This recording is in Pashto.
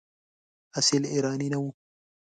اصیل ایرانی نه وو.